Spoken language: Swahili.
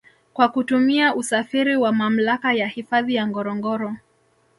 Kwa kutumia usafiri wa mamlaka ya hifadhi ya ngorongoro